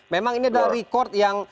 memang ini adalah rekod yang